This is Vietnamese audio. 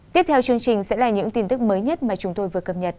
tiếp theo chương trình sẽ là những tin tức mới nhất mà chúng tôi vừa cập nhật